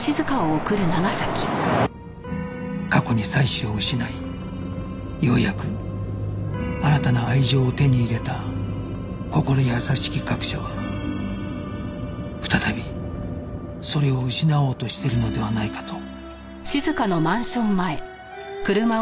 過去に妻子を失いようやく新たな愛情を手に入れた心優しき学者は再びそれを失おうとしてるのではないかと